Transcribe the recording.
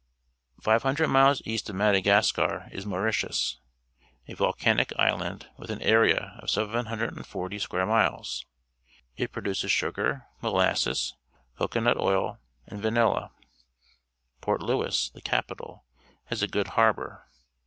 — 500 miles east of Madagascar is Mauritius, a volcanic island with an area of 740 square miles. It produces sugar, molasses, cocoa nut oil, and vanilla. Port Louis, the capital, has a good harbour.